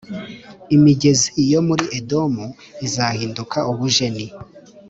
Imigezi yo muri Edomu izahinduka ubujeni,